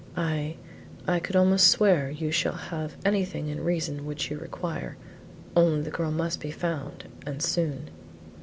I I could almost swear you shall have anything in reason which you require; only the girl must be found and soon."